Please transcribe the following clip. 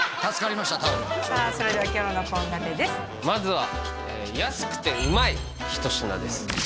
まずは安くてうまい一品です